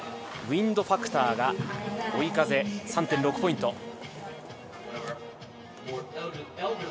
ウインドファクターが追い風３．６ポイント。